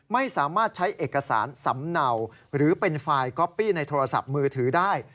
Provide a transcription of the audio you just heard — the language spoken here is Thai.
ไม่สามารถใช้เอกสารสำเนาหรือเป็นไฟล์ก๊อปปี้ในโทรศัพท์มือถือได้